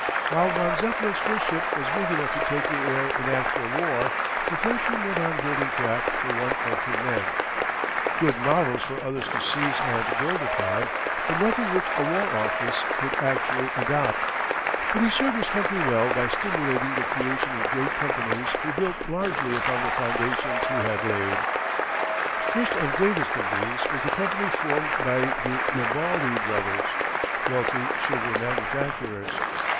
While von Zeppelin's first ship was big enough to take the air in actual war the Frenchman went on building craft for one or two men good models for others to seize and build upon, but nothing which a war office could actually adopt. But he served his country well by stimulating the creation of great companies who built largely upon the foundations he had laid. First and greatest of these was the company formed by the Lebaudy Brothers, wealthy sugar manufacturers.